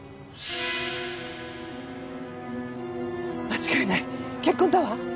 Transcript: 間違いない血痕だわ！